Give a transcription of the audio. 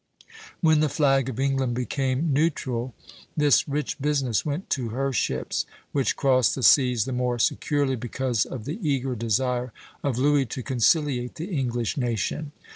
When the flag of England became neutral, this rich business went to her ships, which crossed the seas the more securely because of the eager desire of Louis to conciliate the English nation.